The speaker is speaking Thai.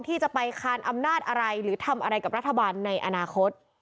ที่จะไปคานอำนาจอะไรหรือทำอะไรกับรัฐบาลในอนาคต